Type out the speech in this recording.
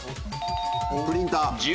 プリンター。